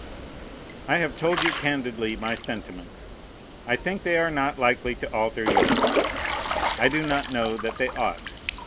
I have told you candidly my sentiments. I think they are not likely to alter yours. I do not know that they ought.